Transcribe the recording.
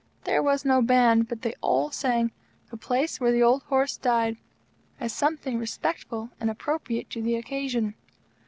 There was no Band, but they all sang "The Place where the old Horse died" as something respectful and appropriate to the occasion.